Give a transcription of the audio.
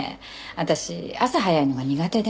私朝早いのが苦手で。